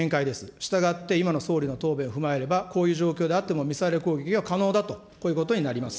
したがって、今の総理の答弁踏まえれば、こういう状況であってもミサイル攻撃が可能だと、こういうことになります。